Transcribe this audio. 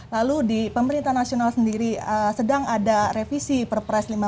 lalu di pemerintah nasional sendiri sedang ada revisi perperan